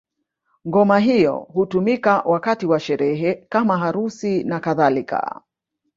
Ngoma hiyo hutumika wakati wa sherehe kama harusi na kadhalika